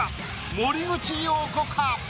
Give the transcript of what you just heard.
森口瑤子か？